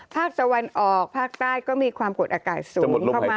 ภาคตะวันออกภาคใต้ก็มีความกดอากาศสูงเข้ามา